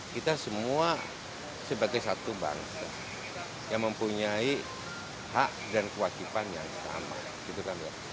kita semua sebagai satu bangsa yang mempunyai hak dan kewajipan yang sama